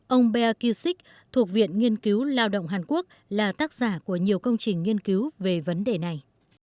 ông bae kyu sik thuộc viện nghiên cứu lao động hàn quốc là tác giả của nhiều công trình nghiên cứu về vấn đề này